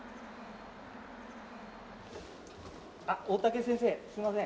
あっ大竹先生すみません。